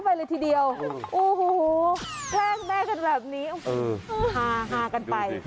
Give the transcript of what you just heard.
ไปดูค่ะ